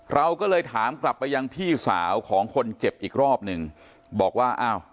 เราก็เลยถามกลับไปยังพี่สาวของคนเจ็บอีกรอบหนึ่งบอกว่าอ้าว